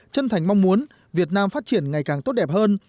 chân thành mong muốn việt nam phát triển ngày càng tốt đẹp hơn